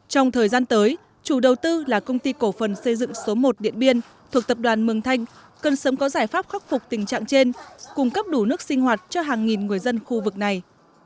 trong thời gian tới chủ đầu tư là công ty cổ phần xây dựng số một điện biên thuộc tập đoàn mường thanh cần sớm có giải pháp khắc phục tình trạng trên cung cấp đủ nước sinh hoạt cho hàng nghìn người dân khu vực này